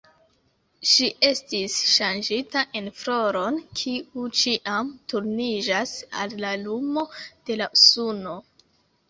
Ŝi estis ŝanĝita en floron, kiu ĉiam turniĝas al la lumo de la suno.